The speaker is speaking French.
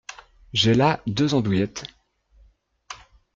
J’ai là deux andouillettes…